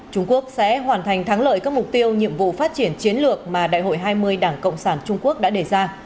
trung quốc sẽ hoàn thành thắng lợi các mục tiêu nhiệm vụ phát triển chiến lược mà đại hội hai mươi đảng cộng sản trung quốc đã đề ra